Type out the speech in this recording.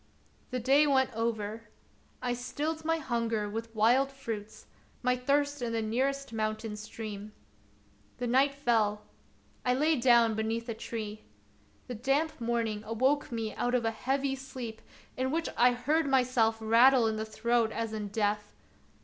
The day went over. I stilled my hunger with wild fruits, my thirst in the nearest mountain stream. The night fell ; I lay down beneath a tree. The damp morning awoke me out of a heavy sleep in which I heard myself rattle in the throat as in death.